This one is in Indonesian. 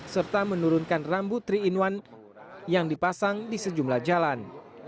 serta menurunkan rambu tiga in satu yang dipasang di sejumlah jalan